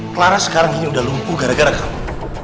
clara sekarang ini udah lumpuh gara gara kamu